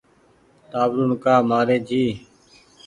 ٽآٻرون ڪآ مآري جي